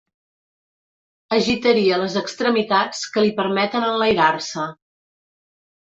Agitaria les extremitats que li permeten enlairar-se.